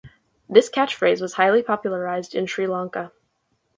This catch phrase was highly popularized in Sri Lanka.